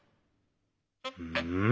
うん？